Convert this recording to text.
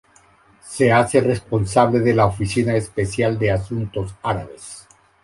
Se hace responsable de la oficina especial de asuntos árabes.